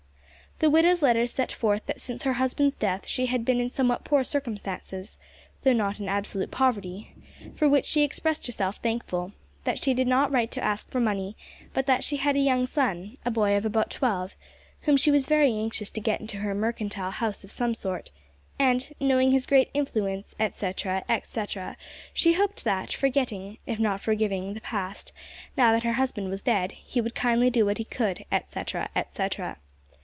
The widow's letter set forth that since her husband's death she had been in somewhat poor circumstances though not in absolute poverty for which she expressed herself thankful; that she did not write to ask for money, but that she had a young son a boy of about twelve whom she was very anxious to get into a mercantile house of some sort, and, knowing his great influence, etcetera, etcetera, she hoped that, forgetting, if not forgiving, the past, now that her husband was dead, he would kindly do what he could, etcetera, etcetera.